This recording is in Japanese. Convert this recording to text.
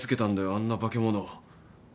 あんな化け物を。